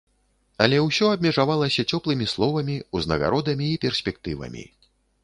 Але ўсё абмежавалася цёплымі словамі, узнагародамі і перспектывамі.